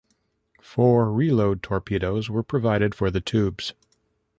Four reload torpedoes were provided for the tubes.